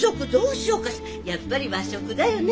やっぱり和食だよね。